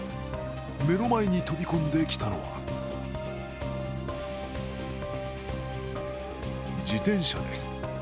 目の前に飛び込んできたのは自転車です。